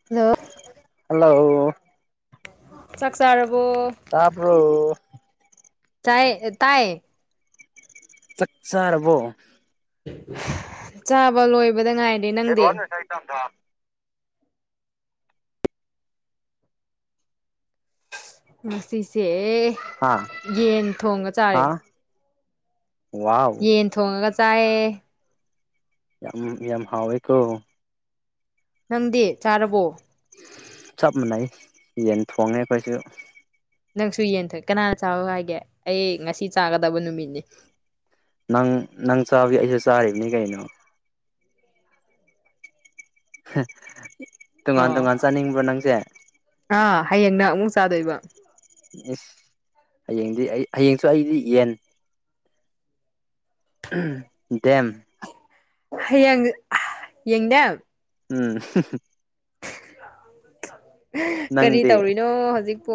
ꯂꯣ hello ꯆꯥꯛ ꯆꯥꯔꯕꯣ ꯇꯥꯕꯔꯣ꯫ ꯆꯥꯏꯌꯦ ꯇꯥꯏꯌꯦ ꯆꯥꯛ ꯆꯥꯔꯕꯣ ꯆꯥꯕ ꯂꯣꯏꯕꯗ ꯉꯥꯏ ꯋꯥꯟ ꯁꯥꯏꯇ꯭ꯔ ꯉꯁꯤꯁꯦ ꯍꯥ ꯌꯦꯟ ꯊꯣꯡꯉꯥ ꯍꯥ ꯆꯥꯔꯦ ꯋꯥꯎ ꯌꯦꯟ ꯊꯣꯡꯉꯒ ꯆꯥꯏꯌꯦ ꯌꯥꯝ ꯌꯥꯝ ꯍꯥꯎꯋꯦꯀꯣ ꯅꯪꯗꯤ ꯆꯥꯔꯕꯣ ꯆꯞ ꯃꯥꯟꯅꯩ ꯌꯦ ꯌꯦꯟ ꯊꯣꯡꯉꯦ ꯑꯩꯈꯣꯏꯁꯨ ꯅꯪꯁꯨ ꯌꯦꯟ ꯊꯣꯏ ꯀꯅꯥꯅ ꯆꯥꯎ ꯍꯥꯏꯒꯦ ꯑꯩ ꯉꯁꯤ ꯆꯥꯒꯗꯕ ꯅꯨꯃꯤꯠꯅꯤ ꯅꯪ ꯅꯪ ꯆꯥꯕꯒꯤ ꯑꯩꯁꯨ ꯆꯥꯔꯤꯅꯤ ꯀꯩꯅꯣ ꯇꯣꯉꯥꯟ ꯑꯣ ꯇꯣꯉꯥꯟ ꯆꯥꯅꯤꯡꯕ꯭ꯔꯣ ꯅꯪꯁꯦ ꯑꯥ ꯍꯌꯦꯡꯅꯪ ꯑꯃꯨꯛ ꯆꯥꯗꯣꯏꯕ ꯏꯁ ꯍꯌꯦꯡꯗꯤ ꯑꯩ ꯍꯌꯦꯡꯁꯨ ꯑꯩꯗꯤ ꯌꯦꯟ ꯗꯦꯝ ꯍꯌꯦꯡ ꯌꯦꯡ ꯗꯦꯝ ꯎꯝ ꯀꯔꯤ ꯅꯪꯗꯤ ꯇꯧꯔꯤꯅꯣ ꯍꯧꯖꯤꯛꯄꯣ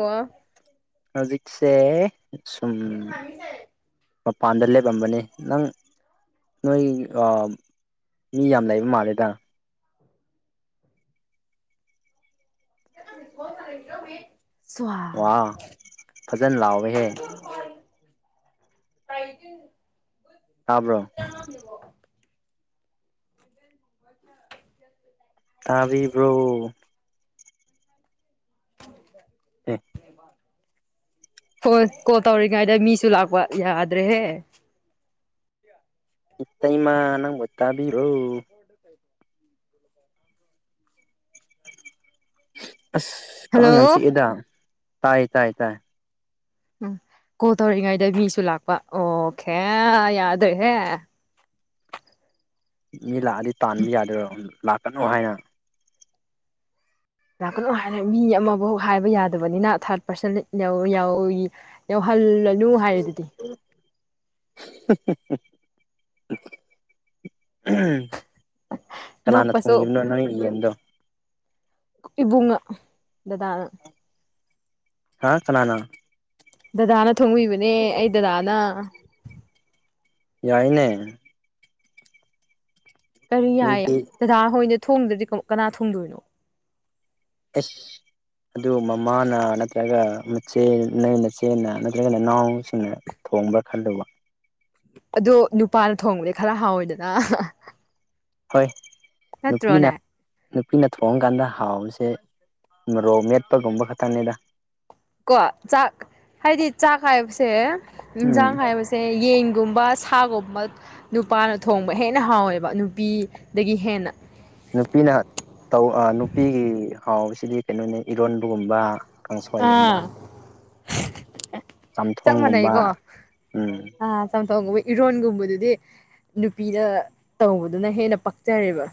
ꯍꯧꯖꯤꯛꯁꯦ ꯁꯨꯝ ꯃꯄꯥꯟꯗ ꯂꯦꯞꯑꯝꯕꯅꯦ ꯅꯪ ꯅꯣꯏ ꯃꯤ ꯌꯥꯝ ꯂꯩꯕ ꯃꯥꯜꯂꯦꯗ [unintelligible] ꯋꯥ ꯐꯖꯅ ꯂꯥꯎꯋꯦꯍꯦ [unintelligible] ꯇꯥꯕ꯭ꯔꯣ [unintelligible] [inaudible] [inaudible] ꯇꯥꯕꯤꯕ꯭ꯔꯣ ꯑꯦ [inaudible] ꯍꯣꯏ ꯀꯣꯜ ꯇꯧꯔꯤꯉꯩꯗ ꯃꯤꯁꯨ ꯂꯥꯛꯄ ꯌꯥꯗ꯭ꯔꯦꯍꯦ ꯏꯇꯩꯃꯥ ꯅꯪꯕꯨ ꯇꯥꯕꯤꯔꯣ ꯑꯁ ꯀꯥꯡ ꯌꯥꯝ ꯍꯜꯂꯣ ꯆꯤꯛꯑꯦꯗ ꯇꯥꯏ ꯇꯥꯏ ꯇꯥꯏ ꯎꯝ ꯀꯣꯜ ꯇꯧꯔꯤꯉꯩꯗ ꯃꯤꯁꯨ ꯂꯥꯛꯄ ꯑꯣꯍꯦ ꯌꯥꯗ꯭ꯔꯣꯏꯦꯍꯦ ꯃꯤ ꯂꯥꯛꯑꯗꯤ ꯇꯥꯟꯕ ꯌꯥꯗꯣꯏꯔꯣ ꯂꯥꯛꯀꯅꯨ ꯍꯥꯏꯅ ꯌꯥꯝꯀ ꯅꯨꯡꯉꯥꯏꯔꯦ ꯃꯤ ꯑꯃꯐꯥꯎ ꯍꯥꯏꯕ ꯌꯥꯗꯕꯅꯤꯅ ꯊꯥꯔꯠ ꯄꯥꯔꯁꯟ ꯌꯥꯎ ꯌꯧꯍꯜꯂꯅꯨ ꯍꯥꯏꯔꯗꯨꯗꯤ ꯎꯝ ꯀꯅꯥꯅ ꯅꯣꯛꯄꯁꯨ ꯊꯣꯡꯉꯤꯕꯅꯣ ꯅꯣꯏꯒꯤ ꯌꯦꯟꯗꯣ ꯏꯕꯨꯡꯅꯥ ꯗꯗꯥ ꯅꯥ ꯍꯥ ꯀꯥꯅꯥꯅ ꯗꯗꯥꯅ ꯊꯣꯡꯕꯤꯕꯅꯦ ꯑꯩ ꯗꯗꯥꯅ ꯌꯥꯏꯅꯦ ꯀꯔꯤ ꯌꯥꯏ ꯃꯤꯗꯤ ꯗꯗꯥ ꯍꯣꯏꯅ ꯊꯣꯡꯗ꯭ꯔꯗꯤ ꯀꯅꯥ ꯊꯣꯡꯗꯣꯏꯅꯣ ꯑꯁ ꯑꯗꯨ ꯃꯃꯥꯅ ꯅꯠꯇ꯭ꯔꯒ ꯃꯆꯦ ꯅꯣꯏ ꯃꯆꯦꯟꯅ ꯅꯠꯇ꯭ꯔꯒ ꯅꯅꯥꯎꯁꯤꯡꯅ ꯊꯣꯡꯕ꯭ꯔ ꯈꯜꯂꯨꯕ ꯑꯗꯣ ꯅꯨꯄꯥꯅ ꯊꯣꯡꯕꯗꯤ ꯈꯔ ꯍꯥꯎꯋꯦꯗꯅ ꯍꯣꯏ ꯅꯨꯄꯤꯅ ꯅꯠꯇ꯭ꯔꯣꯅꯦ ꯅꯨꯄꯤꯅ ꯊꯣꯡꯀꯥꯟꯗ ꯍꯥꯎꯁꯦ ꯃꯔꯣꯛ ꯃꯦꯠꯄꯒꯨꯝꯕ ꯈꯛꯇꯪꯅꯤꯗ ꯀꯣ ꯆꯥꯛ ꯍꯥꯏꯗꯤ ꯆꯥꯛ ꯍꯥꯏꯕꯁꯦ ꯎꯝ ꯌꯦꯟꯁꯥꯡ ꯍꯥꯏꯕꯁꯦ ꯁꯦ ꯌꯦꯟꯒꯨꯝꯕ ꯁꯥꯒꯨꯝꯕ ꯅꯨꯄꯥꯅ ꯊꯣꯡꯕ ꯍꯦꯟꯅ ꯍꯥꯎꯋꯦꯕ ꯅꯨꯄꯤꯗꯒꯤ ꯍꯦꯟꯅ ꯅꯨꯄꯤꯅ ꯇꯧ ꯅꯨꯄꯤꯒꯤ ꯍꯥꯎꯁꯤꯗꯤ ꯀꯩꯅꯣꯅꯤ ꯏꯔꯣꯟꯕꯒꯨꯝꯕ ꯀꯥꯡꯁꯋꯥꯕꯣꯟꯕ ꯑꯥ ꯆꯞ ꯆꯝꯊꯣꯡꯒꯨꯝꯕ ꯃꯥꯟꯅꯩꯀꯣ ꯎꯝ ꯑ ꯆꯝꯊꯣꯡꯒꯨꯝꯕ ꯏꯔꯣꯟꯒꯨꯝꯕꯗꯨꯗꯤ ꯅꯨꯄꯤꯅ ꯇꯧꯕꯗꯨꯅ ꯍꯦꯟꯅ ꯄꯛꯆꯔꯦꯕ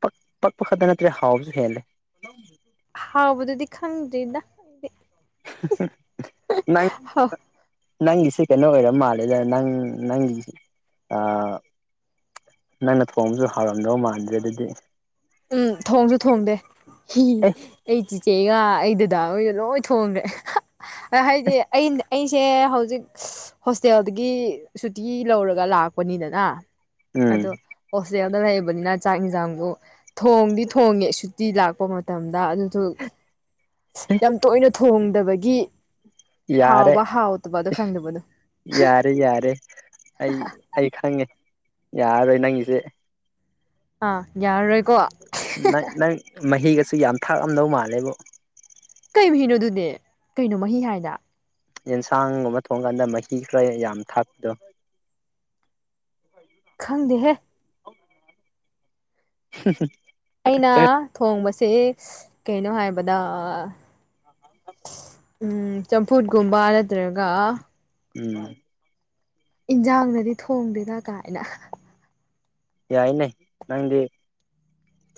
ꯄꯛ ꯄꯛꯄ ꯈꯛꯇ ꯅꯠꯇ꯭ꯔꯦ ꯍꯥꯎꯕꯁꯨ ꯍꯦꯜꯂꯦ [inaudible] ꯍꯥꯎꯕꯗꯨꯗꯤ ꯈꯗꯗ ꯅꯪ ꯍꯥꯎ ꯅꯪꯒꯤꯁꯦ ꯀꯩꯅꯣ ꯑꯣꯏꯔ ꯃꯥꯜꯂꯦꯗ ꯅꯪ ꯅꯪꯒꯤ ꯅꯪꯅ ꯊꯣꯡꯕꯁꯨ ꯍꯥꯎꯔꯝꯗꯧ ꯃꯥꯟꯗ꯭ꯔꯦ ꯑꯗꯨꯗꯤ ꯎꯝ ꯊꯣꯡꯁꯨ ꯊꯣꯡꯗꯦ ꯑꯦ ꯑꯩ ꯆꯤꯆꯦꯒ ꯑꯩꯗꯨꯗꯥ ꯑꯩꯗ ꯂꯣꯏ ꯊꯣꯡꯈ꯭ꯔꯦ ꯍꯥꯏꯗꯤ ꯑ ꯑꯩꯁꯦ ꯍꯧꯖꯤꯛ ꯍꯣꯁꯇꯦꯜꯗꯒꯤ ꯁꯨꯇꯤ ꯂꯧꯔꯒ ꯂꯥꯛꯄꯅꯤꯗꯅ ꯎꯝ ꯑꯗꯣ ꯍꯣꯁꯇꯦꯜꯗ ꯂꯩꯕꯅꯤꯅ ꯆꯥꯛ ꯌꯦꯟꯁꯥꯡꯕꯨ ꯊꯣꯡꯗꯤ ꯊꯣꯡꯉꯦ ꯤ ꯂꯥꯛꯄ ꯃꯇꯝꯗ ꯑꯗꯨꯁꯨ ꯌꯥꯝ ꯇꯣꯏꯅ ꯊꯣꯡꯗꯕꯒꯤ ꯌꯥꯔꯦ ꯍꯥꯎꯕ ꯍꯥꯎꯇꯕꯗꯣ ꯈꯪꯗꯕꯗꯣ ꯌꯥꯔꯦ ꯌꯥꯔꯦ ꯑꯩ ꯑꯩ ꯈꯪꯉꯦ ꯌꯥꯔꯣꯏ ꯅꯪꯒꯤꯁꯦ ꯑꯥ ꯌꯥꯔꯔꯣꯏꯀꯣ ꯅꯪ ꯅꯪ ꯃꯍꯤꯒꯁꯨ ꯌꯥꯝ ꯊꯥꯛꯑꯝꯗꯧ ꯃꯥꯜꯂꯦꯕ ꯀꯩ ꯃꯍꯅꯣꯗꯨꯅꯦ ꯀꯩꯅꯣ ꯃꯍꯤ ꯍꯥꯏꯅ ꯌꯦꯟꯁꯥꯡꯒꯨꯝꯕ ꯊꯣꯡꯀꯥꯟꯗ ꯃꯍꯤ ꯈꯔ ꯌꯥꯝ ꯊꯥꯛꯄꯗꯣ ꯈꯪꯗꯦꯍꯦ ꯁ ꯁꯦꯠ ꯑꯩꯅ ꯊꯣꯡꯕꯁꯦ ꯀꯩꯅꯣ ꯍꯥꯏꯕꯗ ꯎꯝ ꯆꯝꯐꯨꯠꯀꯨꯝꯕ ꯅꯠꯇ꯭ꯔꯒ ꯎꯝ ꯏꯟꯁꯥꯡꯗꯗꯤ ꯊꯣꯡꯗꯦꯗ ꯀꯥꯏꯅ ꯌꯥꯏꯅꯦ ꯅꯪꯗꯤ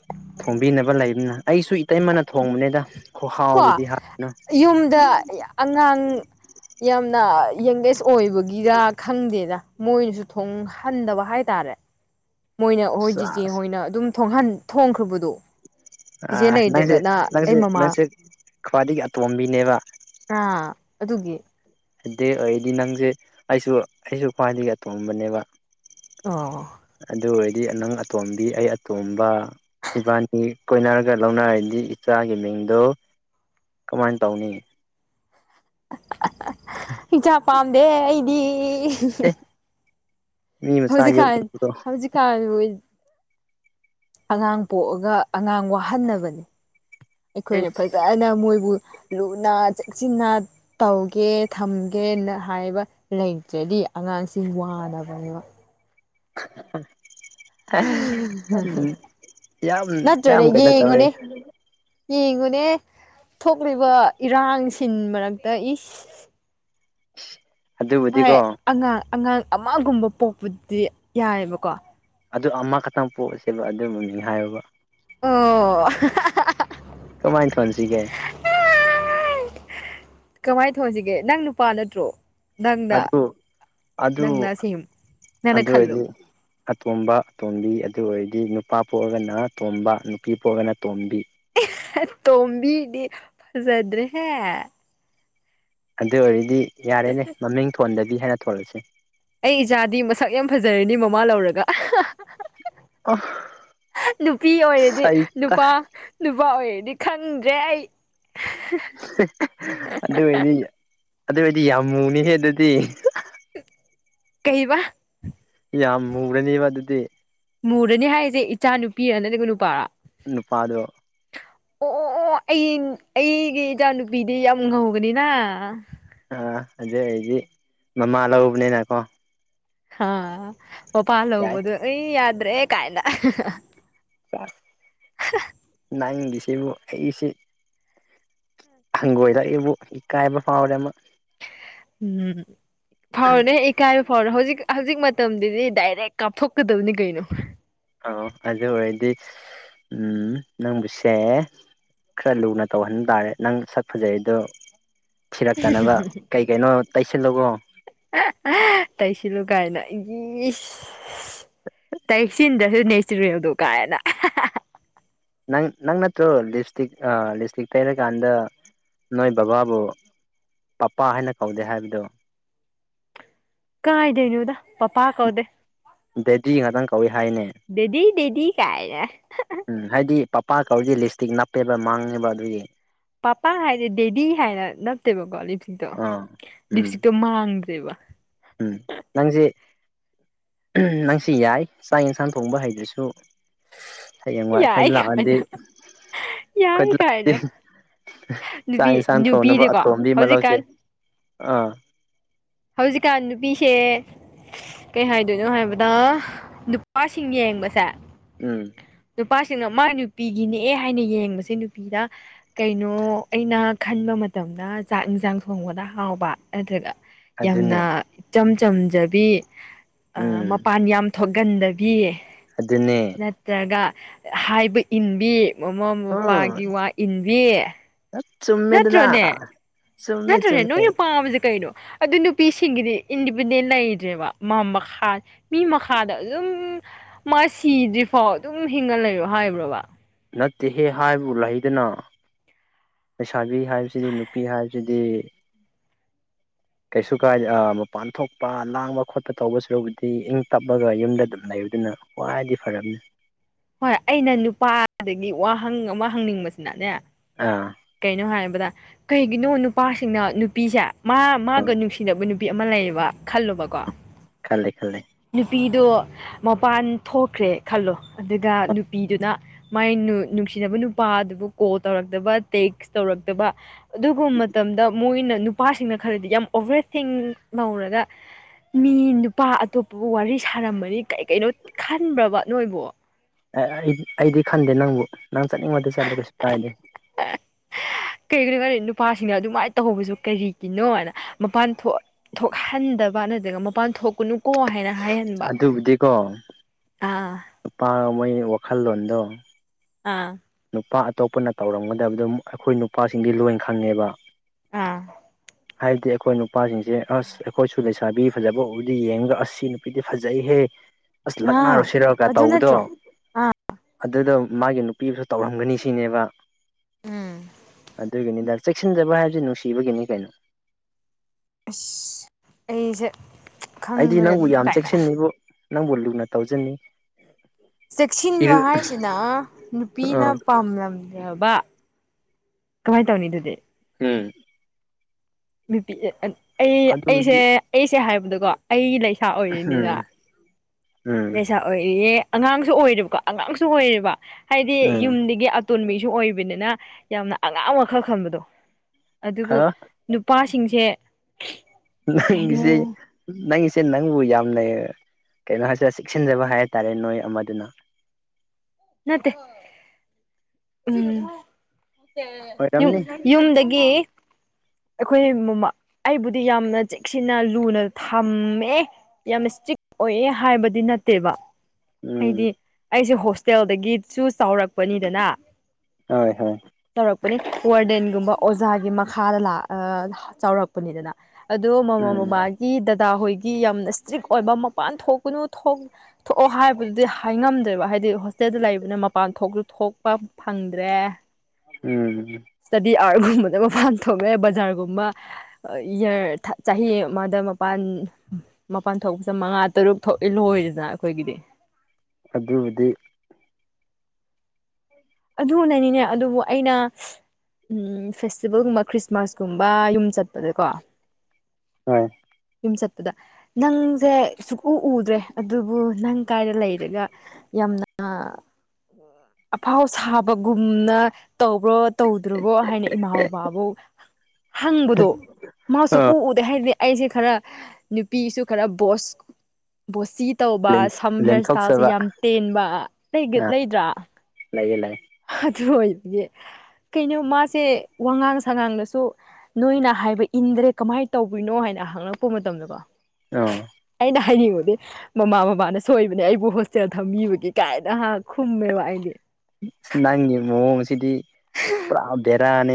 [inaudible] ꯊꯣꯡꯕꯤꯅꯕ ꯂꯩꯕꯅꯤꯅ ꯑꯩꯁꯨ ꯏꯇꯩꯃꯅ ꯊꯣꯡꯕꯅꯦꯗ ꯀꯣ ꯌꯨꯝꯗ ꯑꯉꯥꯡ ꯌꯥꯝꯅ ꯌꯪꯒꯦꯁ ꯑꯣꯏꯕꯒꯤꯔ ꯈꯪꯗꯦꯗ ꯃꯣꯏꯅꯁꯨ ꯊꯣꯡꯍꯟꯗꯕ ꯍꯥꯏꯇꯥꯔꯦ ꯃꯣꯏꯅ ꯑꯩꯈꯣꯏꯖꯤꯆꯦ ꯁꯥꯁ ꯍꯣꯏꯅ ꯑꯗꯨꯝꯣꯡꯍ ꯊꯣꯡꯈ꯭ꯔꯕꯗꯣ ꯑ ꯆꯤꯆꯦ ꯅꯪꯁꯦ ꯂꯩꯇ꯭ꯔꯒꯅ ꯑꯩ ꯅꯪꯁꯦ ꯃꯃꯥ ꯅꯪꯁꯦ ꯈ꯭ꯋꯥꯏꯗꯒꯤ ꯑꯇꯣꯝꯕꯤꯅꯦꯕ ꯑꯥ ꯑꯗꯨꯒꯤ ꯑꯗꯨꯗꯩ ꯑꯣꯏꯔꯗꯤ ꯅꯪꯁꯦ ꯑꯩꯁꯨ ꯑꯩꯁꯨ ꯈ꯭ꯋꯥꯏꯗꯒꯤ ꯑꯇꯣꯑꯝꯕꯅꯦꯕ ꯑꯣ ꯑꯗꯨ ꯑꯣꯏꯔꯗꯤ ꯅꯪ ꯑꯇꯣꯝꯕꯤ ꯑꯩ ꯑꯇꯣꯝꯕ ꯏꯕꯥꯅꯤ ꯀꯣꯏꯅꯔꯒ ꯂꯧꯅꯔꯗꯤ ꯏꯆꯥꯒꯤ ꯃꯤꯡꯗꯣ ꯀꯃꯥꯏꯅ ꯇꯧꯅꯤ ꯍꯛꯁꯆꯥ ꯄꯥꯝꯗꯦ ꯑꯩꯗꯤ ꯑꯦ ꯃꯤ ꯃꯆꯥ ꯍꯧꯖꯤꯛꯀꯥꯟ ꯌꯣꯛꯅꯤꯡꯕꯗꯣ ꯍꯧꯖꯤꯛ ꯀꯥ ꯑꯉꯥꯡ ꯄꯣꯛꯑꯒ ꯑꯉꯥꯡ ꯋꯥꯍꯟꯅꯕꯅꯦ ꯑꯩꯈꯣꯏꯅ ꯐꯖꯅ ꯃꯣꯏꯕꯨ ꯂꯨꯅꯥ ꯆꯦꯛꯁꯤꯟꯅ ꯇꯧꯒꯦ ꯊꯝꯒꯦꯅ ꯍꯥꯏꯕ ꯂꯩꯇ꯭ꯔꯗꯤ ꯑꯉꯥꯡꯁꯤꯡ ꯋꯥꯗꯅꯕꯅꯦꯕ ꯎ ꯌꯥꯝ ꯌꯥꯝꯌꯥꯝ ꯅꯠꯇ꯭ꯔꯅꯦ ꯀꯩꯅꯅ ꯇ ꯍꯦ ꯌꯦꯡꯉꯨꯅꯦ ꯌꯦꯡꯉꯨꯅꯦ ꯊꯣꯛꯂꯤꯕ ꯏꯔꯥꯡꯁꯤꯟ ꯃꯔꯛꯇ ꯏꯁ ꯑꯗꯨꯕꯨꯗꯤꯀꯣ ꯍꯣꯏ ꯑꯉꯥꯡ ꯑꯉꯥꯡ ꯑꯃꯒꯨꯝꯕ ꯄꯣꯛꯄꯗꯤ ꯌꯥꯏꯑꯕꯀꯣ ꯑꯗꯨ ꯑꯃꯈꯛꯇꯪ ꯄꯣꯛꯑꯁꯦꯕ ꯑꯗꯨ ꯃꯃꯤꯡ ꯍꯥꯏꯌꯣꯕ ꯑꯣ ꯀꯃꯥꯏꯅ ꯐꯣꯟꯁꯤꯒꯦ ꯀꯃꯥꯏꯅ ꯊꯣꯟꯁꯤꯒꯦ ꯅꯪ ꯅꯨꯄꯥ ꯅꯠꯇ꯭ꯔꯣ ꯅꯪꯅ ꯑꯗꯨ ꯑꯗꯨ ꯅꯪꯅ ꯁꯦꯝ ꯅꯪꯅ ꯑꯗꯨꯗ ꯈꯜꯂꯨ ꯏꯗꯤ ꯑꯇꯣꯝꯕ ꯑꯇꯣꯝꯕꯤ ꯑꯗꯨ ꯑꯣꯏꯔꯗꯤ ꯅꯨꯄꯥ ꯄꯣꯛꯑꯒꯅ ꯇꯣꯝꯕ ꯅꯨꯄꯤ ꯄꯣꯛꯑꯒꯅ ꯇꯣꯝꯕꯤ ꯇꯣꯝꯕꯤꯗꯤ ꯐꯖꯗ꯭ꯔꯦꯍꯦ ꯑꯗꯨ ꯑꯣꯏꯔꯗꯤ ꯌꯥꯔꯦꯅꯦ ꯃꯃꯤꯡ ꯊꯣꯟꯗꯕꯤ ꯍꯥꯏꯅ ꯊꯣꯜꯂꯁꯦ ꯑꯩ ꯏꯆꯥꯗꯤ ꯃꯁꯛ ꯌꯥꯝ ꯐꯖꯔꯅꯤ ꯃꯃꯥ ꯂꯧꯔꯒ ꯑ ꯅꯨꯄꯤ ꯑꯣꯏꯔꯗꯤ ꯁꯩꯇ ꯅꯨꯄꯥ ꯅꯨꯄꯥ ꯑꯣꯏꯔꯗꯤ ꯈꯪꯗ꯭ꯔꯦ ꯑꯩ ꯑꯗꯨ ꯑꯣꯏꯗꯤ ꯑꯗꯨ ꯑꯣꯏꯗꯤ ꯌꯥꯝ ꯃꯨꯅꯤꯍꯦ ꯑꯗꯨꯗꯤ ꯀꯩꯕ ꯌꯥꯝ ꯃꯨ꯭ꯔꯅꯤꯕ ꯑꯗꯨꯗꯤ ꯃꯨꯔꯗꯅꯤ ꯍꯥꯏꯔꯤꯁꯦ ꯏꯆꯥ ꯅꯨꯄꯤꯔ ꯅꯠꯇ꯭ꯔꯒ ꯅꯨꯄꯥꯔꯥ ꯅꯨꯄꯥꯗꯣ ꯑꯣ ꯑꯣ ꯑꯣ ꯑꯩ ꯑꯩꯒꯤ ꯏꯆꯥ ꯅꯨꯨꯄꯤꯗꯤ ꯌꯥꯝ ꯉꯧꯒꯅꯤꯅ ꯑꯥ ꯑꯗꯨꯩ ꯑꯩꯗꯤ ꯃꯃꯥ ꯂꯧꯕꯅꯤꯅꯀꯣ ꯍꯥ ꯃꯄꯥ ꯌꯥꯏ ꯂꯧꯕꯗꯣ ꯑꯩ ꯌꯥꯗ꯭ꯔꯦ ꯀꯥꯏꯅ ꯅ ꯏꯗꯤꯁꯕꯨ ꯑꯩꯁꯦ ꯍꯪꯒꯣꯏꯗ ꯑꯩꯕꯨ ꯏꯀꯥꯏꯕ ꯐꯥꯎꯔꯦ ꯑꯃ ꯎꯝ ꯐꯥꯎꯅꯦ ꯏ ꯀꯥꯏꯕ ꯐꯥꯎꯔꯦ ꯍꯧꯖꯤꯛ ꯍꯧꯖꯤꯛ ꯃꯇꯝꯗꯨꯗꯤ ꯗꯥꯏꯔꯦꯛ ꯀꯥꯞꯊꯣꯛꯀꯗꯕꯅꯤ ꯀꯩꯅꯣ ꯑꯥꯎ ꯑꯗꯨ ꯑꯣꯏꯔꯗꯤ ꯎ ꯅꯪꯕꯨꯁꯦ ꯈꯔ ꯂꯨꯅ ꯇꯧꯍꯟꯕ ꯇꯥꯔꯦ ꯅꯪ ꯁꯛ ꯐꯖꯩ ꯑꯗꯣ ꯊꯤꯔꯛꯇꯅꯕ ꯀꯩ ꯀꯩꯅꯣ ꯇꯩꯁꯤꯜꯂꯣ ꯀꯣ ꯇꯩꯁꯤꯂꯨ ꯀꯥꯏꯅ ꯏꯁ ꯇꯩꯁꯤꯟꯗ꯭ꯔꯁꯨ ꯅꯦꯆꯔꯦꯜꯗꯣ ꯀꯥꯏꯅꯒꯥ ꯅꯪ ꯅꯪ ꯅꯠꯇ꯭ꯔ ꯂꯤꯞ ꯏꯁꯇꯤꯛ ꯂꯤꯞ ꯏꯁꯇꯤꯛ ꯇꯩꯔꯀꯥꯟꯗ ꯅꯣꯏ ꯕꯕꯥꯕꯨ ꯄꯄꯥ ꯍꯥꯏꯅ ꯀꯧꯗꯦ ꯍꯥꯏꯕꯗꯣ ꯀꯥꯏꯗꯩꯅꯣꯗ ꯄꯄꯥ ꯀꯧꯗꯦ ꯗꯦꯗꯤ ꯉꯥꯛꯇꯪ ꯀꯧꯏ ꯍꯥꯏꯅꯦ ꯗꯦꯗꯤ ꯗꯦꯗꯤ ꯀꯥꯏꯅ ꯎꯝ ꯍꯥꯏꯗꯤ ꯄꯄꯥ ꯀꯧꯔꯗꯤ ꯂꯤꯁꯇꯤꯛ ꯅꯞꯄꯦꯕ ꯃꯥꯡꯉꯦꯕ ꯑꯗꯨꯒꯤ ꯄꯄꯥ ꯍꯥꯏꯗꯤꯦ ꯗꯦꯗꯤ ꯍꯥꯏꯅ ꯅꯠꯇꯦꯕꯀꯣ ꯂꯤꯞ ꯏꯁꯇꯤꯛꯇꯣ ꯑꯥ ꯂꯤꯞ ꯎꯝ ꯏꯁꯇꯤꯛꯇꯣ ꯃꯥꯡꯗ꯭ꯔꯦꯕ ꯎꯝ ꯅꯪꯁꯦ ꯅꯪꯁꯨ ꯌꯥꯏ ꯆꯥꯛ ꯌꯦꯟꯁꯥꯡ ꯊꯣꯡꯕ ꯍꯩꯗꯨꯁꯨ ꯍꯌꯦꯡꯋꯥꯏ ꯌꯥꯏ ꯑꯩꯈꯣꯏꯗ ꯂꯥꯛꯑꯗꯤ ꯀꯥꯏꯅ ꯑꯩꯈꯣꯏ ꯌꯥꯏ ꯂꯥꯛꯑꯗꯤ ꯀꯥꯏꯅ ꯆꯥꯛ ꯅꯨꯄꯤ ꯌꯦꯟꯁꯥꯡ ꯊꯣꯡꯅꯕ ꯅꯨꯄꯤꯗꯤꯀꯣ ꯑꯇꯣꯝꯕꯤ ꯑꯃ ꯂꯧꯧꯁꯦ ꯍꯧꯖꯤꯛꯀꯥꯟ ꯑꯥ ꯍꯧꯖꯤꯛꯀꯥꯟ ꯅꯨꯄꯤꯁꯦ ꯀꯩ ꯍꯥꯏꯗꯣꯏꯅꯣ ꯍꯥꯏꯕꯗ ꯅꯨꯄꯥꯁꯤꯡ ꯌꯦꯡꯕꯁꯦ ꯎꯝ ꯅꯨꯄꯥꯁꯤꯡꯅ ꯃꯥꯥꯏ ꯅꯨꯄꯤꯒꯤꯅꯦ ꯍꯥꯏꯅ ꯌꯦꯡꯕꯁꯦ ꯅꯨꯄꯤꯗ ꯀꯩꯅꯣ ꯑꯩꯅ ꯈꯟꯕ ꯃꯇꯝꯗ ꯆꯥꯛ ꯏꯟꯁꯥꯡ ꯊꯣꯡꯕꯗ ꯍꯥꯎꯕ ꯅꯠꯇ꯭ꯔꯒ ꯌꯥꯝꯅ ꯑꯗꯨꯅꯦ ꯏꯆꯝ ꯆꯝꯖꯕꯤ ꯎꯝ ꯃꯄꯥꯟ ꯌꯥꯝ ꯊꯣꯛꯀꯟꯗꯕꯤ ꯑꯗꯨꯅꯦ ꯅꯠꯇ꯭ꯔꯒ ꯍꯥꯏꯕ ꯏꯟꯕꯤ ꯃꯃꯥ ꯎꯝ ꯃꯄꯥꯒꯤ ꯋꯥ ꯏꯟꯕꯤ ꯆꯨꯝꯃꯦꯗꯅ ꯅꯠꯇ꯭ꯔꯣꯅꯦ ꯆꯨꯝꯃꯦ ꯅꯠꯇ꯭ꯔꯅꯦ ꯆꯨꯝꯃꯦ ꯅꯣꯏ ꯄꯥꯝꯃꯤꯁꯦ ꯀꯩꯅꯣ ꯑꯗꯨ ꯅꯨꯄꯤꯁꯤꯡꯒꯤꯗꯤ ꯏꯟꯗꯤꯄꯦꯟꯗꯦꯟ ꯂꯩꯇ꯭ꯔꯦꯕ ꯃꯈꯥ ꯃꯤ ꯃꯈꯥꯗ ꯑꯗꯨꯝ ꯃꯥ ꯁꯤꯗ꯭ꯔꯤꯐꯥꯎ ꯑꯗꯨꯝ ꯍꯤꯡꯒ ꯂꯩꯔꯣ ꯍꯥꯏꯕ꯭ꯔꯣꯕ ꯅꯠꯇꯦꯍꯦ ꯍꯥꯏꯕꯨ ꯂꯩꯗꯅ ꯂꯩꯁꯥꯕꯤ ꯍꯥꯏꯕꯁꯤꯗꯤ ꯅꯨꯄꯤ ꯍꯥꯏꯕꯁꯤꯗꯤ ꯀꯩꯁꯨ ꯀꯥꯏ ꯃꯄꯥꯟ ꯊꯣꯛꯄ ꯂꯥꯡꯕ ꯈꯣꯠꯄ ꯇꯧꯕꯁꯨꯕꯨꯗꯤ ꯏꯪ ꯇꯞꯄꯒ ꯌꯨꯝꯗ ꯑꯗꯨꯝ ꯂꯩꯕ ꯑꯗꯨꯅ ꯈ꯭ꯋꯥꯏꯗꯤ ꯐꯔꯥꯞꯅꯦ ꯍꯣꯏ ꯑꯩꯅ ꯅꯨꯄꯥꯗꯒꯤ ꯋꯥꯍꯪ ꯑꯃ ꯍꯪꯅꯤꯡꯕꯁꯤꯅꯅꯦ ꯑꯥ ꯀꯩꯅꯣ ꯍꯥꯏꯕꯗ ꯀꯩꯒꯤꯅꯣ ꯅꯨꯄꯥꯁꯤꯡꯅ ꯅꯨꯄꯤꯁꯦ ꯃꯥ ꯎꯝ ꯃꯥꯒ ꯅꯨꯡꯁꯤꯅꯕ ꯅꯨꯄꯤ ꯅꯨꯄꯤ ꯑꯃ ꯂꯩꯌꯦꯕ ꯈꯜꯂꯨꯕꯀꯣ ꯈꯜꯂꯦ ꯈꯜꯂꯦ ꯅꯨꯄꯤꯗꯣ ꯃꯄꯥꯟ ꯊꯣꯛꯈ꯭ꯔꯦ ꯈꯜꯂꯣ ꯑꯗꯨꯒ ꯅꯨꯄꯤꯗꯨꯅ ꯃꯥꯏ ꯅꯨꯡꯁꯤꯅꯕ ꯅꯨꯄꯥ ꯑꯗꯨꯕꯨ ꯀꯣꯜ ꯇꯧꯔꯛꯇꯕ ꯇꯦꯛꯁ ꯇꯧꯔꯛꯇꯕ ꯑꯗꯨꯒꯨꯝꯕ ꯃꯇꯝꯗ ꯃꯣꯏꯅ ꯅꯨꯄꯥꯁꯤꯡꯅ ꯈꯔꯗꯤ ꯌꯥꯝ ꯑꯣꯕꯔ ꯊꯤꯡ ꯇꯧꯔꯒ ꯃꯤ ꯅꯨꯄꯥ ꯑꯇꯣꯞꯄ ꯑꯗꯨꯕꯨ ꯋꯥꯔꯤ ꯁꯥꯔꯝꯕꯅꯤ ꯀꯩ ꯀꯩꯅꯣ ꯈꯟꯕ꯭ꯔꯕ ꯅꯣꯏꯕꯣ ꯑꯩ ꯑꯩꯗꯤ ꯈꯟꯗꯦ ꯅꯪꯕꯨ ꯅꯪ ꯆꯠꯅꯤꯡꯕꯗꯤ ꯆꯠꯂꯣ ꯀꯩꯁꯨ ꯀꯥꯏꯗꯦ ꯑ ꯀꯩꯒꯤꯅꯣ ꯈꯗ ꯅꯨꯄꯥꯁꯤꯡꯅ ꯑꯗꯨꯃꯥꯏꯅ ꯇꯧꯍꯧꯕꯁꯨ ꯀꯔꯤꯒꯤꯅꯣ ꯍꯥꯏꯅ ꯃꯄꯥꯟ ꯊꯣꯛ ꯊꯣꯛꯍꯟꯗꯕ ꯅꯠꯇ꯭ꯔꯒ ꯃꯄꯥꯟ ꯊꯣꯛꯀꯨꯅꯨ ꯀꯣ ꯍꯥꯏꯅ ꯍꯥꯏꯍꯟꯕ ꯑꯗꯨꯕꯨꯗꯤꯀꯣ ꯑꯥ ꯅꯨꯄꯥ ꯃꯣꯢ ꯋꯥꯈꯜꯂꯣꯟꯗꯣ ꯑꯥ ꯅꯨꯄꯥ ꯑꯇꯣꯞꯄꯅ ꯇꯧꯔꯝꯒꯗꯕꯗꯣ ꯑꯩꯈꯣꯏ ꯅꯨꯄꯥꯁꯤꯡꯗꯤ ꯂꯣꯏ ꯈꯪꯉꯦꯕ ꯑꯥ ꯍꯥꯏꯗꯤ ꯑꯩꯈꯣꯏ ꯅꯨꯄꯥꯁꯤꯡꯁꯦ ꯑꯁ ꯑꯩꯈꯣꯏꯁꯨ ꯂꯩꯁꯥꯕꯤ ꯐꯖꯕ ꯎꯕꯗꯤ ꯌꯦꯡꯉꯒ ꯑꯁ ꯁꯤ ꯅꯨꯄꯤꯗꯤ ꯐꯖꯩꯍꯦ [unintelligible] ꯑꯁ ꯂꯛꯅꯥꯔꯨ ꯁꯤꯔꯒ ꯑꯗꯨ ꯇꯧꯕꯗꯣ ꯅꯠꯇ꯭ꯔꯣ ꯑꯥ ꯑꯗꯨꯗꯣ ꯃꯥꯒꯤ ꯅꯨꯄꯤꯁꯨ ꯇꯧꯔꯝꯒꯅꯤ ꯁꯤꯅꯦꯕ ꯎꯝ ꯑꯗꯨꯒꯤꯅꯤꯗ ꯆꯦꯛꯁꯤꯟꯖꯕ ꯍꯥꯏꯕꯕꯁꯤ ꯅꯨꯡꯁꯤꯕꯒꯤꯅꯤ ꯀꯩꯅꯣ ꯑꯁ ꯑꯩꯁꯦ ꯑꯩꯗꯤ ꯈꯪꯗ꯭ꯔꯦ ꯅꯪꯕꯨ ꯑꯗꯨꯝ ꯌꯥꯝ ꯀꯥꯏꯅ ꯆꯦꯛꯁꯤꯟꯅꯤꯕꯨ ꯅꯪꯕꯨ ꯂꯨꯅ ꯇꯧꯖꯅꯤ ꯆꯦꯛꯁꯤꯟꯕ ꯏꯔ ꯍꯥꯏꯁꯤꯅ ꯅꯨꯄꯤꯅ ꯑ ꯄꯥꯝꯂꯝꯃꯤ ꯌꯥꯕ ꯀꯃꯥꯏꯅ ꯇꯧꯅꯤ ꯑꯗꯨꯗꯤ ꯎꯝ ꯅꯨꯄꯤ ꯑꯩ ꯑꯩꯁꯦ ꯑꯗꯨꯕꯨꯗꯤ ꯑꯩꯁꯦ ꯍꯥꯏꯕꯗꯀꯣ ꯑꯩ ꯂꯩꯁꯥ ꯑꯣꯏꯔꯤꯅꯤꯅ ꯎꯝ ꯎꯝ ꯂꯩꯁꯥ ꯑꯣꯏꯔꯤꯌꯦ ꯑꯉꯥꯡꯁꯨ ꯑꯣꯏꯔꯦꯕꯀꯣ ꯑꯉꯥꯡꯁꯨ ꯑꯣꯏꯔꯦꯕ ꯍꯥꯏꯗꯤ ꯎꯝ ꯌꯨꯝꯗꯒꯤ ꯑꯇꯣꯝꯕꯤꯁꯨ ꯑꯣꯏꯕꯅꯤꯅ ꯌꯥꯝꯅ ꯑꯉꯥꯡ ꯋꯥꯈꯜ ꯈꯟꯕꯗꯣ ꯑꯗꯨꯕꯨ ꯑ ꯅꯨꯄꯥꯁꯤꯡꯁꯦ ꯀꯩꯅꯣ ꯅꯪꯒꯤꯁꯤ ꯅꯪꯒꯤꯁꯦ ꯅꯪꯕꯨ ꯌꯥꯝꯅ ꯀꯩꯅꯣ ꯍꯥꯏꯁꯤ ꯆꯦꯛꯁꯤꯟꯖꯕ ꯍꯥꯏ ꯇꯔꯦ ꯅꯣꯏ ꯑꯃꯗꯨꯅ ꯅꯠꯇꯦ ꯎꯝ ꯌꯨꯝ ꯑꯣꯏꯔꯝꯅꯤ ꯌꯨꯝꯗꯒꯤ ꯑꯩꯈꯣꯏ ꯃꯃꯥ ꯑꯩꯕꯨꯗꯤ ꯌꯥꯝꯅ ꯆꯦꯛꯁꯤꯟꯅ ꯂꯨꯅ ꯊꯝꯃꯦ ꯌꯥꯝꯅ ꯁꯇ꯭ꯔꯤꯛ ꯑꯣꯏꯑꯦ ꯍꯥꯏꯕꯗꯤ ꯅꯠꯇꯦꯕ ꯍꯥꯏꯗꯤ ꯎꯝ ꯑꯩꯁꯦ ꯍꯣꯁꯇꯦꯜꯗꯒꯤꯁꯨ ꯆꯥꯎꯔꯛꯄꯅꯤꯗꯅ ꯍꯣꯏ ꯍꯣꯏ ꯇꯧꯔꯛꯄꯅꯤ ꯋꯥꯔꯗꯦꯟꯒꯨꯝꯕ ꯑꯣꯖꯥꯒꯤ ꯃꯈꯥꯗ ꯂꯥ ꯑꯥ ꯆꯥꯎꯔꯛ ꯄꯅꯤꯗꯅ ꯑꯗꯣ ꯃꯃꯥ ꯎꯝ ꯃꯕꯥ ꯒꯤ ꯗꯗꯥ ꯍꯣꯏꯒꯤ ꯌꯥꯝꯅ ꯏꯁꯇ꯭ꯔꯤꯛ ꯑꯣꯏꯕ ꯃꯄꯥꯟ ꯊꯣꯛꯄꯅꯨ ꯊꯣꯛ ꯊꯣꯛꯑꯣ ꯍꯥꯏꯕ ꯕꯗꯨꯗꯤ ꯍꯥꯏꯉꯝꯗ꯭ꯔꯦꯕ ꯍꯥꯏꯗꯤ ꯍꯣꯁꯇꯦꯜꯗ ꯂꯩꯕꯅꯤꯅ ꯃꯄꯥꯟ ꯊꯣꯛꯁꯨ ꯊꯣꯛꯄ ꯐꯪꯗ꯭ꯔꯦ ꯎꯝ ꯏꯁꯇꯗꯤ ꯑꯥꯔꯠꯒꯨꯝꯕꯗ ꯃꯄꯥꯟ ꯊꯣꯛꯂꯛꯑꯦ ꯕꯖꯥꯔꯒꯨꯝꯕ ꯏꯌꯔ ꯊ ꯆꯍꯤ ꯑꯃꯗ ꯃꯄꯥꯟꯅꯤ ꯃꯄꯥꯟ ꯊꯣꯛꯄꯁꯤ ꯃꯉꯥ ꯇꯔꯨꯛ ꯊꯣꯛꯏ ꯂꯣꯏꯗꯅ ꯑꯩꯈꯣꯏꯒꯤꯗꯤ ꯑꯗꯨꯕꯨꯗꯤ ꯑꯗꯨꯅꯅꯤꯅꯦ ꯑꯗꯨꯕꯨ ꯑꯩꯅ ꯎꯝ ꯐꯦꯁꯇꯤꯚꯦꯜꯒꯨꯝꯕ ꯈ꯭ꯔꯤꯁꯃꯥꯁꯀꯨꯝꯕ ꯌꯨꯝ ꯆꯠꯄꯗꯀꯣ ꯍꯣꯏ ꯌꯨꯝ ꯆꯠꯄꯗ ꯅꯪꯁꯦ ꯁꯨꯛꯎ ꯎꯗ꯭ꯔꯦ ꯑꯗꯨꯕꯨ ꯅꯪ ꯀꯥꯏꯗ ꯂꯩꯔꯒ ꯌꯥꯝꯅ ꯑꯐꯥꯎ ꯁꯥꯕꯒꯨꯝꯅ ꯇꯧꯕ꯭ꯔꯣ ꯇꯧꯗ꯭ꯔꯕꯣ ꯍꯥꯏꯅ ꯏꯃꯥ ꯕꯕꯥꯕꯨ ꯍꯪꯕꯗꯣ ꯃꯥꯁꯨ ꯑ ꯎ ꯎꯗꯦ ꯍꯥꯏꯗꯤ ꯑꯩꯁꯦ ꯈꯔ ꯅꯨꯄꯤꯁꯨ ꯈꯔ ꯕꯣꯁ ꯕꯣꯁꯤ ꯇꯧꯕ ꯁꯝ ꯍꯤꯌꯔ ꯁꯇꯥꯏꯜꯁꯦ ꯂꯦꯟꯊꯣꯛꯆꯕ ꯌꯥꯝ ꯇꯦꯟꯕ ꯂꯩ ꯂꯩꯗ꯭ꯔꯥ ꯂꯩꯑꯦ ꯂꯩ ꯑꯗꯨ ꯑꯣꯏꯕꯒꯤ ꯀꯩꯅꯣ ꯃꯥꯁꯦ ꯋꯥꯉꯥꯡ ꯁꯉꯥꯡꯗꯁꯨ ꯅꯣꯏꯅ ꯍꯥꯏꯕ ꯏꯟꯗ꯭ꯔꯦ ꯀꯃꯥꯏꯅ ꯇꯧꯕꯤꯅꯣ ꯍꯥꯏꯅ ꯍꯪꯉꯛꯄ ꯃꯇꯝꯗꯀꯣ ꯑ ꯑꯩꯅ ꯍꯥꯏꯅꯤꯡꯉꯗꯤ ꯃꯃꯥ ꯕꯕꯥꯅ ꯁꯣꯏꯕꯅꯦ ꯑꯩꯕꯨ ꯍꯣꯁꯇꯦꯜ ꯊꯝꯃꯤꯕꯒꯤ ꯀꯥꯏꯅ ꯈꯨꯝꯃꯦꯕ ꯑꯩꯗꯤ ꯅꯪꯒꯤ ꯃꯑꯣꯡꯁꯤꯗꯤ ꯄꯨꯔꯥ ꯕꯦꯔꯥꯅꯦ